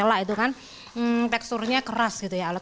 ela itu kan teksturnya keras gitu ya